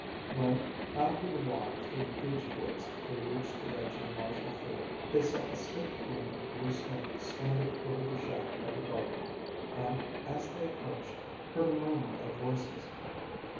When, after the walk through the beech woods, they reached the edge of the Marshall field, they saw a stiff plume of blue smoke stand up over the shack by the garden and, as they approached, heard a murmur of voices.